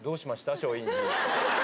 松陰寺。